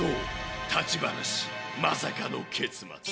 立ち話、まさかの結末。